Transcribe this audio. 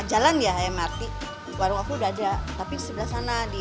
pas juga nih buat makan malam baru pertama jalan ya mrt warung aku udah ada tapi sebelah sana di